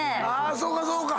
そうかそうか。